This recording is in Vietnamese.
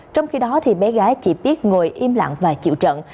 trong khi đó bé gái chỉ biết ngồi im lặng và chịu trận